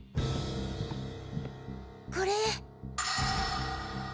これ。